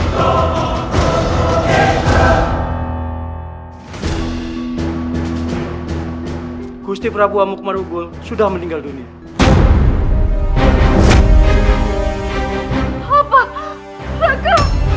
kau tidak boleh meninggal raka